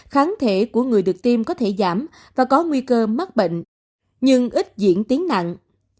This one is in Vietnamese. kháng thể của người được tiêm có thể giảm và có nguy cơ mắc bệnh nhưng ít diễn tiến nặng